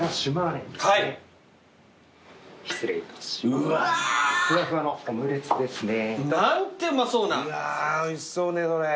うわーおいしそうねそれ。